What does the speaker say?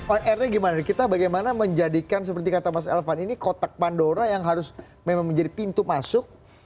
on airnya gimana kita bagaimana menjadikan seperti kata mas elvan ini kotak pandora yang harus memang menjadi pintu masuk